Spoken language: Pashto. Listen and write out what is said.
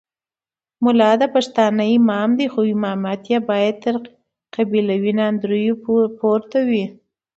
ملا د پښتانه امام دی خو امامت یې باید تر قبیلوي ناندریو پورته وي.